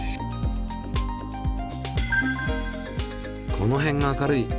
この辺が明るい。